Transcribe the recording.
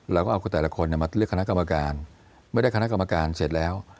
เราก็เอาแต่ละคนมาเลือกคณะกรรมการเมื่อได้คณะกรรมการเสร็จแล้ว